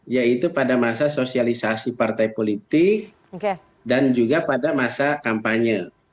yaitu pada masa sosialisasi partai politik dan juga pada masa kampanye